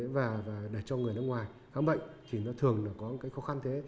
và để cho người nước ngoài khám bệnh thì nó thường là có một cái khó khăn thế